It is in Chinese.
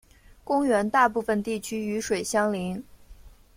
公园大部分地区与水相邻。